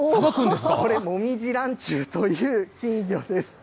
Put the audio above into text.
これ、もみじらんちゅうという金魚です。